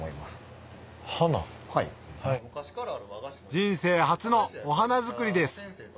人生初のお花作りです